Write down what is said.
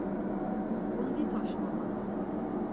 ǩundi to şǩoma!